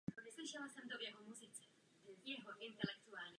Zastupoval volební obvod Sankt Pölten.